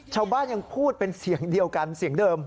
ชาวบ้านยังพูดเป็นเสียงเดียวกันเสียงเดิม